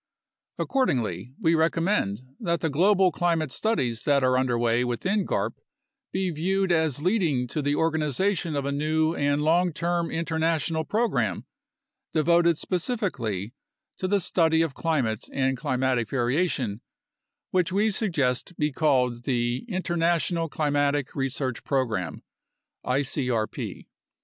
Accordingly, we recommend that the global climate studies that are under way within garp be viewed as leading to the organization of a new and long term international program devoted specifically to the study of climate and climatic variation, which we suggest be called the International Climatic Research Program (icrp).